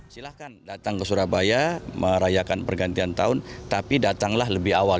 silahkan datang ke surabaya merayakan pergantian tahun tapi datanglah lebih awal